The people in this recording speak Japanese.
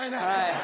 はい。